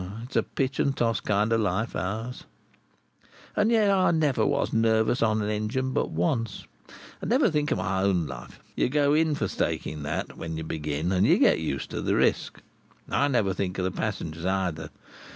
It's a pitch and toss kind of a life ours! "And yet I never was nervous on a engine but once. I never think of my own life. You go in for staking that, when you begin, and you get used to the risk. I never think of the passengers either.